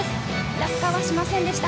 落下はしませんでした。